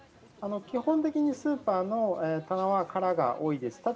基本的にスーパーの棚は空が多いです。